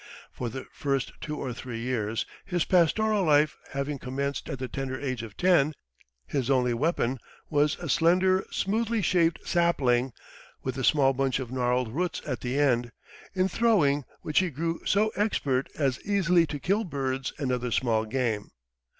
For the first two or three years his pastoral life having commenced at the tender age of ten his only weapon was a slender, smoothly shaved sapling, with a small bunch of gnarled roots at the end, in throwing which he grew so expert as easily to kill birds and other small game.